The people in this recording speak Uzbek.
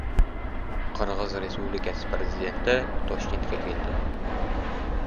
Qirg‘iz Respublikasi Prezidenti Toshkentga keldi